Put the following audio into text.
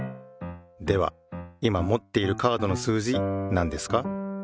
では今もっているカードの数字なんですか？